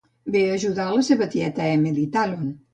Ve a ajudar la seva tieta, Emily Talon.